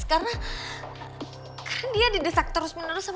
karena kan dia didesak terus menerus